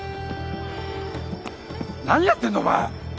何やってんだお前。